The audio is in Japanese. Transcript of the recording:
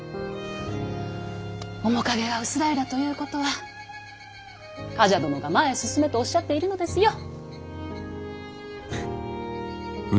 面影が薄らいだということは冠者殿が前へ進めとおっしゃっているのですよ。